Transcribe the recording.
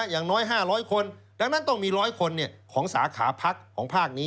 อย่างน้อย๕๐๐คนดังนั้นต้องมี๑๐๐คนของสาขาพักของภาคนี้